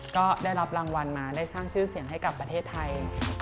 ก็ได้รับรางวัลมาได้สร้างชื่อเสียงให้กับประเทศไทย